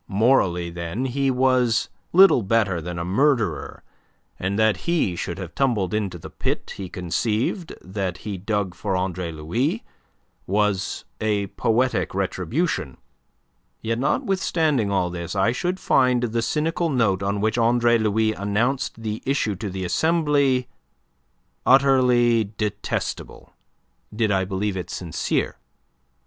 Morally, then, he was little better than a murderer, and that he should have tumbled into the pit he conceived that he dug for Andre Louis was a poetic retribution. Yet, notwithstanding all this, I should find the cynical note on which Andre Louis announced the issue to the Assembly utterly detestable did I believe it sincere.